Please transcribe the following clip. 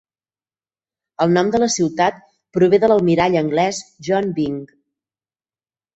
El nom de la ciutat prové de l'almirall anglès John Byng.